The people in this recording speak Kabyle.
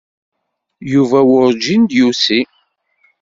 Yuba werǧin d-yusi.